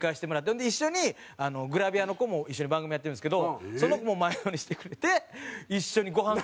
ほんで一緒にグラビアの子も一緒に番組やってるんですけどその子も前乗りしてくれて一緒にごはん会をする。